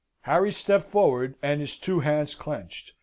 Harry stepped forward, with his two hands clenched.